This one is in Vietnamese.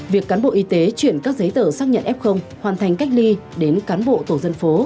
việc cán bộ y tế chuyển các giấy tờ xác nhận f hoàn thành cách ly đến cán bộ tổ dân phố